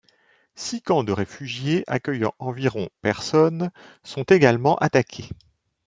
Six camps de réfugiés accueillant environ personnes, sont également attaqués.